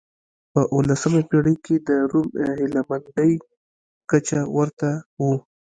په اولسمه پېړۍ کې د روم هیله مندۍ کچه ورته و.